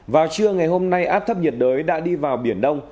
vào trưa ngày hôm nay áp thấp nhiệt đới đã đi vào biển đông